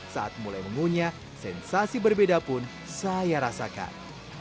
saat mulai mengunyah sensasi berbeda pun saya rasakan